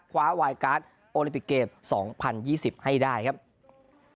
วายการ์ดโอลิปิกเกม๒๐๒๐ให้ได้ครับ